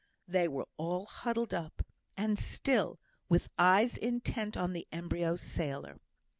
They were all huddled up, and still; with eyes intent on the embryo sailor.